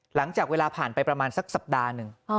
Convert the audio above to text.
หลังจากเวลาผ่านไปประมาณสักสัปดาห์หนึ่ง